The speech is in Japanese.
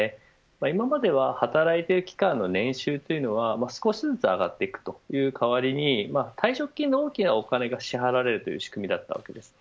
今までは、働いている期間の年収というのは少しずつ上がっていくという代わりに退職金で大きなお金が支払われる仕組みだったんです。